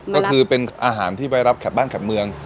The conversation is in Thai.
ก็คือเป็นอาหารที่ไปรับแขกบ้านแขบเมือง